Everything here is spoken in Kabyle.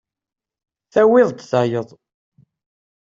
Tawiḍ-d tayeḍ.